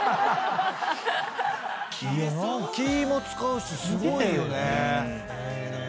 気も使うしすごいよね。